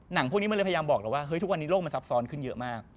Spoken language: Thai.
หนังพวกนี้บอกเลยว่าแบบท่านงานอันนี้ก็แบบทรัพย์ซ้อนขึ้นเยอะมาก